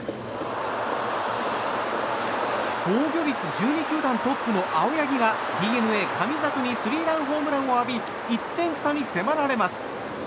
防御率１２球団トップの青柳がＤｅＮＡ、神里にスリーランホームランを浴び１点差に迫られます。